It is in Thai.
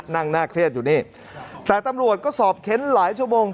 น่าเครียดอยู่นี่แต่ตำรวจก็สอบเค้นหลายชั่วโมง